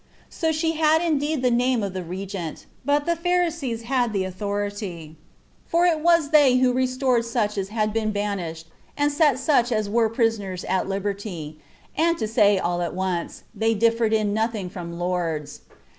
So she had indeed the name of the regent, but the Pharisees had the authority; for it was they who restored such as had been banished, and set such as were prisoners at liberty, and, to say all at once, they differed in nothing from lords.